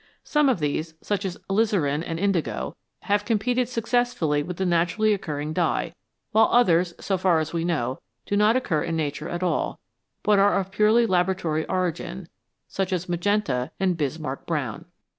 Some of these, such as alizarin and indigo, have competed successfully with the naturally occurring dye, while others, so far as we know, do not occur in Nature at all, but are of purely laboratory origin, such as magenta and Bismarck brown.